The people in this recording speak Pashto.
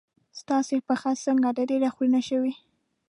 ستاسې پښه څنګه ده؟ ډېره خوړینه شوې.